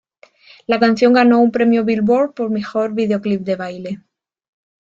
La canción ganó un premio Billboard por "Mejor Video Clip de Baile".